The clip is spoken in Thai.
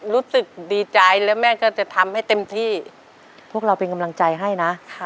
รู้สึกดีใจและแม่ก็จะทำให้เต็มที่พวกเราเป็นกำลังใจให้นะ